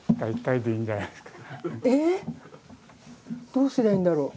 どうすりゃいいんだろう？